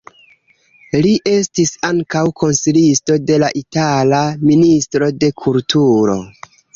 Li estis ankaŭ konsilisto de la itala ministro de kulturo.